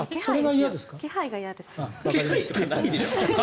気配が嫌です。